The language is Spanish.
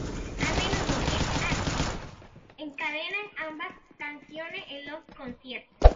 A menudo, Die Ärzte encadenan ambas canciones en los conciertos.